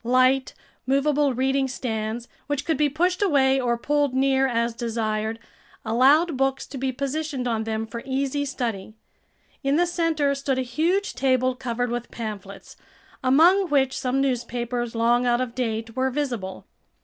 Light, movable reading stands, which could be pushed away or pulled near as desired, allowed books to be positioned on them for easy study. In the center stood a huge table covered with pamphlets, among which some newspapers, long out of date, were visible.